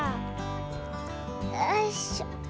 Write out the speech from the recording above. よいしょ。